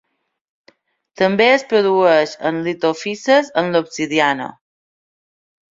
També es produeix en litofises en l'obsidiana.